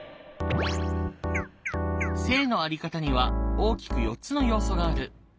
性のあり方には大きく４つの要素がある。